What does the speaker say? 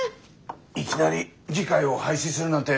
いきなり議会を廃止するなんて